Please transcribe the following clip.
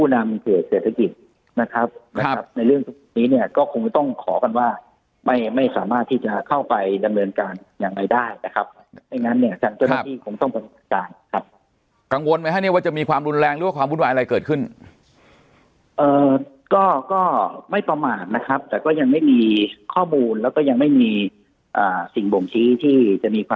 นำเขตเศรษฐกิจนะครับนะครับในเรื่องพวกนี้เนี่ยก็คงต้องขอกันว่าไม่ไม่สามารถที่จะเข้าไปดำเนินการยังไงได้นะครับไม่งั้นเนี่ยทางเจ้าหน้าที่คงต้องประการครับกังวลไหมฮะเนี่ยว่าจะมีความรุนแรงหรือว่าความวุ่นวายอะไรเกิดขึ้นเอ่อก็ก็ไม่ประมาทนะครับแต่ก็ยังไม่มีข้อมูลแล้วก็ยังไม่มีสิ่งบ่งชี้ที่จะมีความ